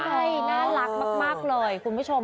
ใช่น่ารักมากเลยคุณผู้ชม